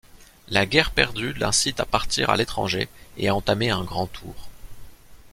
La guerre perdue l'incite à partir à l'étranger et à entamer un Grand Tour.